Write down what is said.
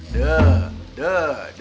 duh duh duh